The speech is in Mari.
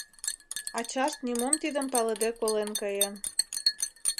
Ачашт нимом тидым палыде колен каен.